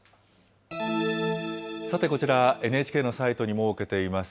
さて、こちら、ＮＨＫのサイトに設けています